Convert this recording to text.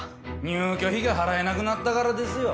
入居費が払えなくなったからですよ。